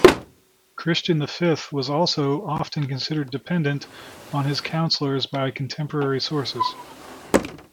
Christian the Fifth was also often considered dependent on his councillors by contemporary sources.